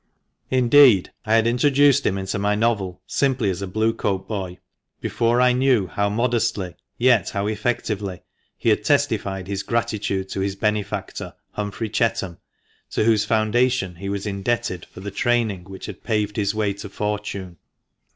Indeed. I had introduced him into my novel simply as a Blue coat boy, before I knew how modestly, yet how effectively, he had testified his gratitude to his benefactor, Humphrey Chetham, to whose foundation he was indebted for the training which had paved his way to fortune.